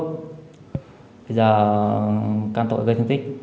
bây giờ căn tội gây thương tích